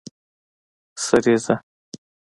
سریزه